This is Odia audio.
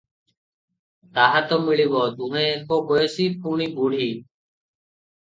ତାହା ତ ମିଳିବ, ଦୁହେଁ ଏକ ବୟସୀ, ପୁଣି ବୁଢୀ ।